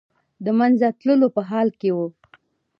د منځه تللو په حال کې و.